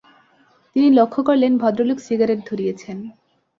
তিনি লক্ষ করলেন, ভদ্রলোক সিগারেট ধরিয়েছেন।